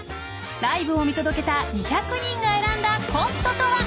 ［ライブを見届けた２００人が選んだコントとは］